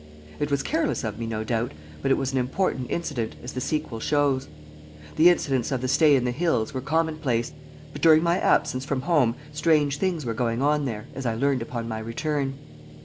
It was careless of me, no doubt, but it was an important incident, as the sequel shows. The incidents of the stay in the hills were commonplace, but during my absence from home strange things were going on there, as I learned upon my return.